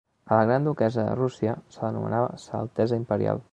A la Gran Duquessa de Rússia se l'anomenava "Sa Altesa Imperial".